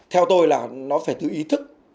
theo tôi là nó phải từ ý thức